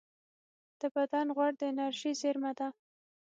د بدن غوړ د انرژۍ زېرمه ده